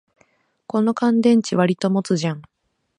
この乾電池、わりと持つじゃん